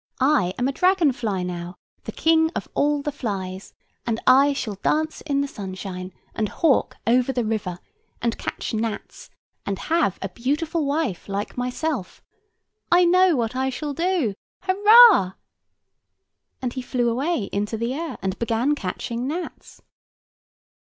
I am a dragon fly now, the king of all the flies; and I shall dance in the sunshine, and hawk over the river, and catch gnats, and have a beautiful wife like myself. I know what I shall do. Hurrah!" And he flew away into the air, and began catching gnats.